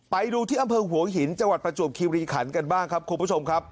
ไปดูที่อำเภอหัวหินจังหวัดประจวบคิริขันกันบ้างครับคุณผู้ชมครับ